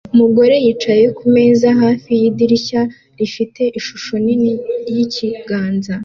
Umugore yicaye kumeza hafi yidirishya rifite ishusho nini yikiganza